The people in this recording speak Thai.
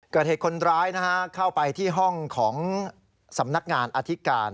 เกิดเหตุคนร้ายเข้าไปที่ห้องของสำนักงานอธิการ